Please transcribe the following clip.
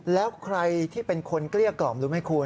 แล้วใครที่เป็นคนเกลี้ยกล่อมรู้ไหมคุณ